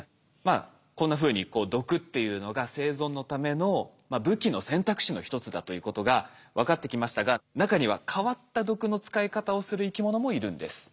こんなふうに毒っていうのが生存のための武器の選択肢の一つだということが分かってきましたが中には変わった毒の使い方をする生き物もいるんです。